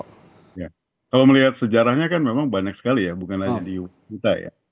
kalau melihat sejarahnya kan memang banyak sekali ya bukan hanya di kita ya